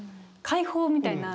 解放みたいな。